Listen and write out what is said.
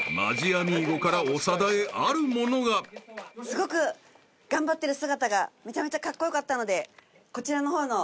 すごく頑張ってる姿がめちゃめちゃカッコ良かったのでこちらの方の。